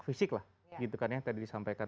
fisik yang tadi disampaikan